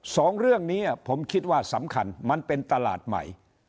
สองเรื่องนี้ผมคิดว่าสำคัญมันเป็นตลาดใหม่